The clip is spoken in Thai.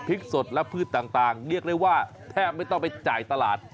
สดและพืชต่างเรียกได้ว่าแทบไม่ต้องไปจ่ายตลาด